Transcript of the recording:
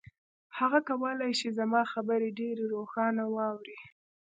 هغه کولای شي زما خبرې ډېرې روښانه واوري.